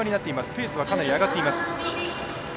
ペースはかなり上がっています。